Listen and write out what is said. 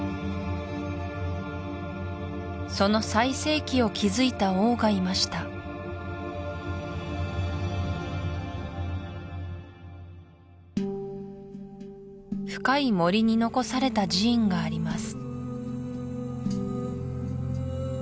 その最盛期を築いた王がいました深い森に残された寺院があります